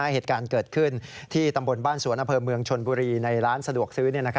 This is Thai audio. เหตุการณ์เกิดขึ้นที่ตำบลบ้านสวนอำเภอเมืองชนบุรีในร้านสะดวกซื้อ